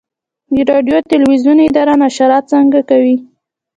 د راډیو تلویزیون اداره نشرات څنګه کوي؟